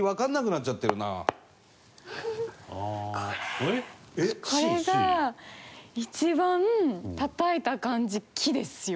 これこれが一番たたいた感じ木ですよ。